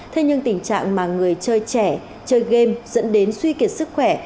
thế nhưng tình trạng mà người chơi trẻ chơi game dẫn đến suy kiệt sức khỏe